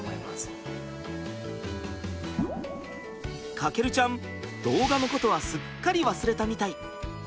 翔ちゃん動画のことはすっかり忘れたみたい。